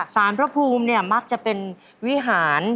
สารพระภูมิเนี่ยมักจะเป็นวิหาร